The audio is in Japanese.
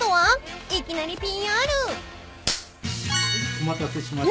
お待たせしました。